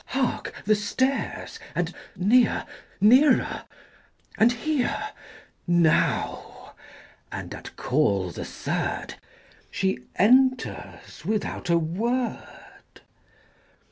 Hark, the stairs! and near Nearer and here ``Now!'' and at call the third She enters without a word.